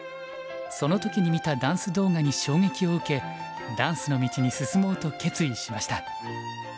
その時に見たダンス動画に衝撃を受けダンスの道に進もうと決意しました。